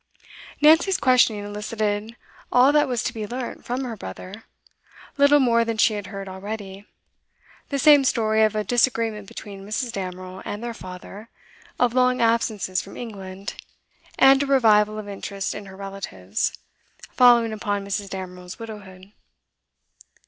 Nancy's questioning elicited all that was to be learnt from her brother, little more than she had heard already; the same story of a disagreement between Mrs. Damerel and their father, of long absences from England, and a revival of interest in her relatives, following upon Mrs. Damerel's widowhood.